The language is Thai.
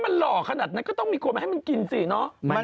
มันหล่อขนาดนั้นก็ต้องมีคนมาให้มันกินสิเนอะ